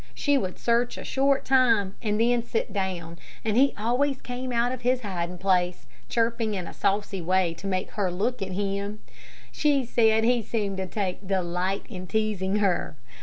She would search a short time, and then sit down, and he always came out of his hiding place, chirping in a saucy way to make her look at him. She said that he seemed to take delight in teasing her.